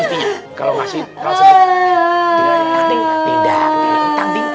situ kalau masih hijau yang maghni da dee b town